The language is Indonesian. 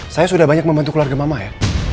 saya sudah banyak membantu keluarga mama ya